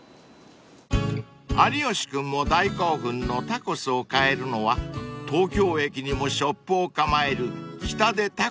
［有吉君も大興奮のタコスを買えるのは東京駅にもショップを構える］